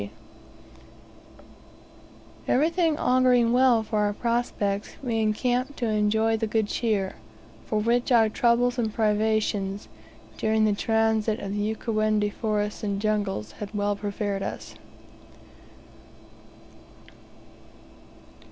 Everything auguring well for our prospects, we encamped to enjoy the good cheer, for which our troubles and privations, during the transit of the Ukawendi forests and jungles, had well prepared us.